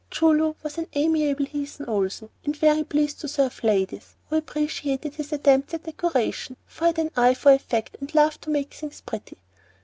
Choo Loo was an amiable heathen also, and very pleased to serve ladies, who appreciated his attempts at decoration, for he had an eye for effect and loved to make things pretty.